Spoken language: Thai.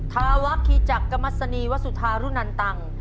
ทาวะคีจักรมัศนีวสุธารุนันตัง